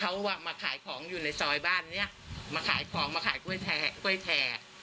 เขาอ่ะมาขายของอยู่ในซอยบ้านเนี้ยมาขายของมาขายกล้วยแท้